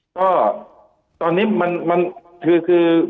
ก็ตอนนี้มันมันคือคือ